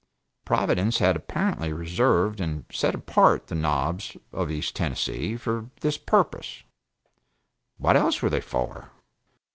Providence had apparently reserved and set apart the Knobs of East Tennessee for this purpose. What else were they for?